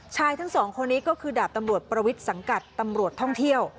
ชายทั้งสองคนนี้ก็คือดาบตำรวจประวิทย์สังกัดตำรวจท่องเที่ยว